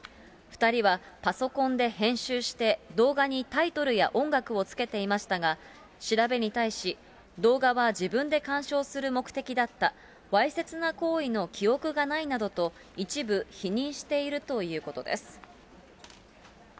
２人はパソコンで編集して、動画にタイトルや音楽を付けていましたが、調べに対し、動画は自分で鑑賞する目的だった、わいせつな行為の記憶がないなどと、一部否認しているということです。